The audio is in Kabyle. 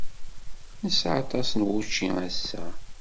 Nesɛa aṭas n wučči ass-a.